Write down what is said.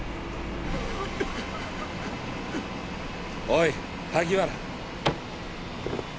おい萩原。